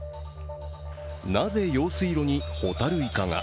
なぜ用水路にホタルイカが？